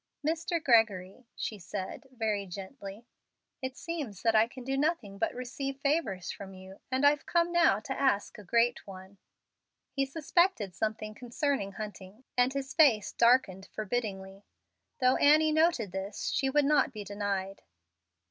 "Mr. Gregory," she said, very gently, "it seems that I can do nothing but receive favors from you, and I've come now to ask a great one." He suspected something concerning Hunting, and his face darkened forbiddingly. Though Annie noted this, she would not be denied.